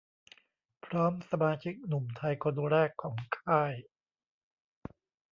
พร้อมสมาชิกหนุ่มไทยคนแรกของค่าย